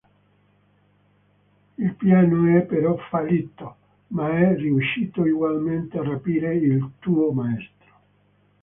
Il piano è però fallito, ma è riuscito ugualmente a rapire il tuo maestro.